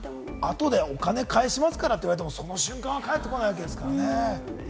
後でお金返しますからって言われても、その瞬間は返ってこないですからね。